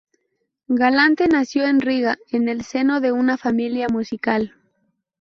Galante nació en Riga en el seno de una familia musical.